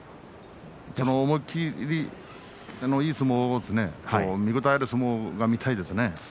思い切りのいい相撲見応えのある相撲が見たいですね。